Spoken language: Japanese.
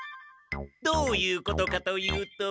どういうことかというと。